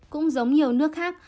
cũng giống nhiều nước khác